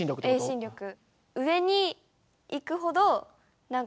遠心力。